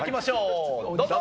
どうぞ！